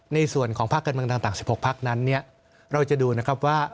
ในส่วนของภาคการเมืองต่าง๑๖พักนั้นเนี่ยเราจะดูนะครับว่า